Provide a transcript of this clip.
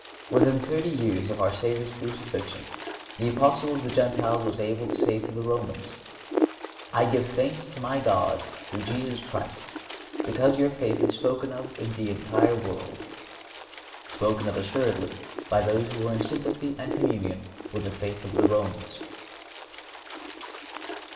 (61) Within thirty years after our Savior's Crucifixion the Apostle of the Gentiles was able to say to the Romans: "I give thanks to my God through Jesus Christ because your faith is spoken of in the entire world"(62)—spoken of assuredly by those who were in sympathy and communion with the faith of the Romans.